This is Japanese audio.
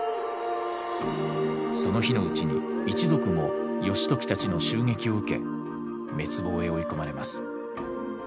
その日のうちに一族も義時たちの襲撃を受け滅亡へ追い込まれます。